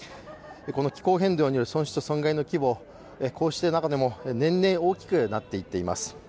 この気候変動による損失と損害の規模は、年々大きくなっていっています。